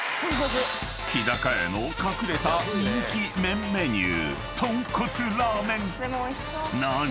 ［日高屋の隠れた人気麺メニュー］